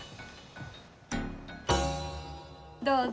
どうぞ。